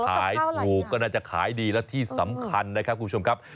ขายถูกก็น่าจะขายดีและที่สำคัญนะครับคุณผู้ชมครับ